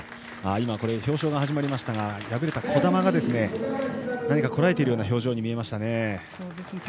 今、表彰が始まりましたが敗れた児玉が何かこらえているような表情に見えました。